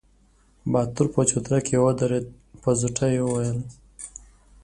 باتور په چوتره کې ودرېد، په زوټه يې وويل: